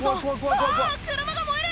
「うわ車が燃える！